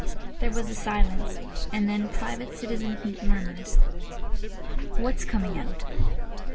There was a silence, and then Private Citizen Heat murmured: "What's coming out?"